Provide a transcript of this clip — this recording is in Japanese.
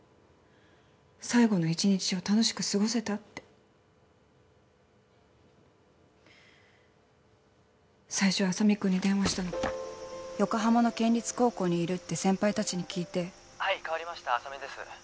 最後の１日を楽しく過ごせた？って最初浅見君に電話したの横浜の県立高校にいるって先輩達に聞いて☎はい代わりました浅見です